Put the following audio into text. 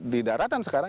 di daratan sekarang